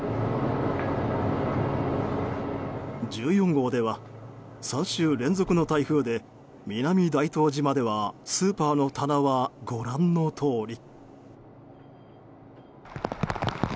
１４号では、３週連続の台風で南大東島ではスーパーの棚はご覧のとおり。